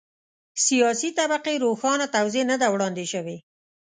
سیاسي طبقې روښانه توضیح نه ده وړاندې شوې.